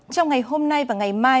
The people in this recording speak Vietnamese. trong ngày hôm nay và ngày mai